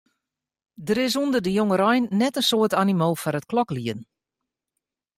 Der is ûnder de jongerein net in soad animo foar it kloklieden.